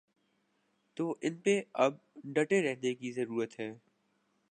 تو ان پہ اب ڈٹے رہنے کی ضرورت ہے۔